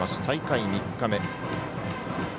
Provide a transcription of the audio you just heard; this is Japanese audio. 大会３日目。